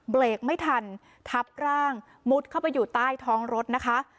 เบรกไม่ทันทับร่างมุดเข้าไปอยู่ใต้ท้องรถนะคะ